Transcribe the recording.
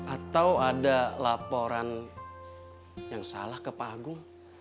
atau ada laporan yang salah ke pak agung